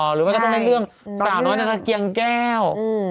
หรือว่าก็ต้องเล่นเรื่องสาวน้อยใช้เกี่ยงแก้ว